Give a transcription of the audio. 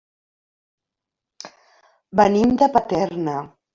Venim de Paterna.